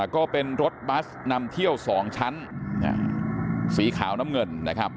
ก็เป็นรถบัสนำเที่ยว๒ชั้นสีขาวน้ำเงินนะครับ